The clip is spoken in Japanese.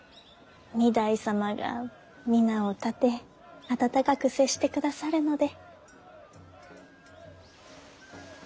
御台様が皆を立て温かく接して下さるので。